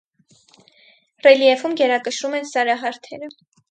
Ռելիեֆում գերակշռում են սարահարթերը։